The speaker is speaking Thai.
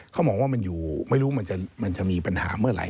เขามองว่ามันอยู่ไม่รู้มันจะมีปัญหาเมื่อไหร